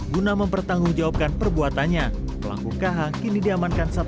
guna mempertanggungjawabkan perbuatannya pelanggung kh kini diamankan satu perang